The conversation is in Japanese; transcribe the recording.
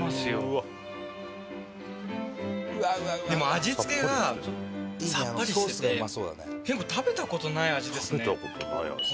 味付けがさっぱりしてて食べた事ない味ですね。